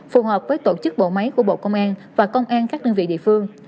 phù hợp với tổ chức bộ máy của bộ công an và công an các đơn vị địa phương